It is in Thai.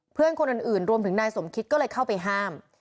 เพื่อนคนอื่นรวมถึงนายสมคิดก็เลยเข้าไปห้าม